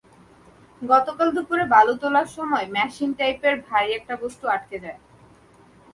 গতকাল দুপুরে বালু তোলার সময় মেশিনের পাইপে ভারী একটি বস্তু আটকে যায়।